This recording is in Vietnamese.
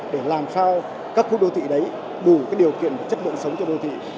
để làm sao các khu đô thị đấy đủ cái điều kiện và chất lượng sống cho đô thị